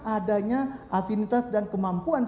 adanya afinitas dan kemampuan